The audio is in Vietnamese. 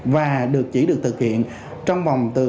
và được chỉ được thực hiện trong vòng từ